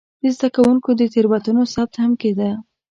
د زده کوونکو د تېروتنو ثبت هم کېده.